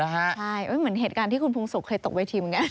ใช่เหมือนเหตุการณ์ที่คุณพงศุกร์เคยตกเวทีเหมือนกัน